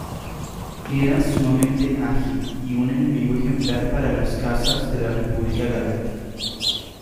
Era sumamente ágil y un enemigo ejemplar para los cazas de la República Galáctica.